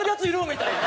みたいな。